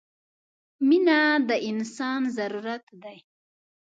• مینه د انسان ضرورت دی.